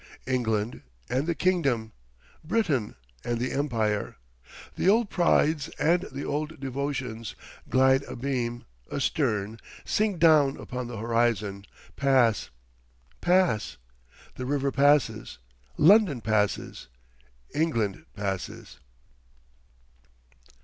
England and the Kingdom, Britain and the Empire, the old prides and the old devotions, glide abeam, astern, sink down upon the horizon, pass—pass. The river passes—London passes, England passes...